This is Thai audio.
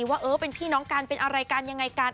ว่าเออเป็นพี่น้องกันเป็นอะไรกันยังไงกัน